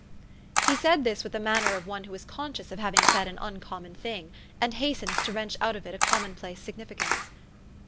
_He said this with the manner of one who is con scious of having said an uncommon thing, and has tens to wrench out of it a common place signifi cance.